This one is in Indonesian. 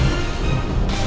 saya sudah menang